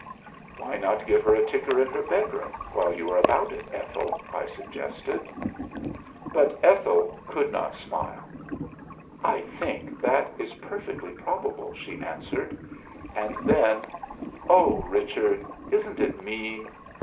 '" "'Why not give her a ticker in her bedroom while you are about it, Ethel?' I suggested." "But Ethel could not smile. 'I think that is perfectly probable,' she answered. And then, 'Oh, Richard, isn't it mean!